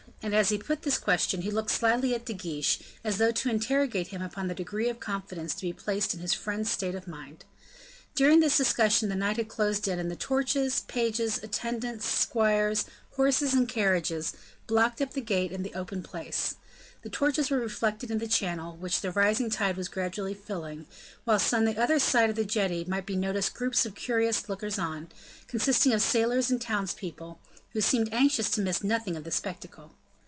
and as he put this question, he looked slyly at De Guiche, as though to interrogate him upon the degree of confidence to be placed in his friend's state of mind. During this discussion the night had closed in, and the torches, pages, attendants, squires, horses, and carriages, blocked up the gate and the open place; the torches were reflected in the channel, which the rising tide was gradually filling, while on the other side of the jetty might be noticed groups of curious lookers on, consisting of sailors and townspeople, who seemed anxious to miss nothing of the spectacle.